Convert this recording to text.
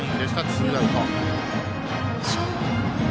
ツーアウト。